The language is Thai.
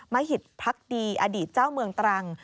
มหิตพักดีอดีตเจ้าเมืองตรัง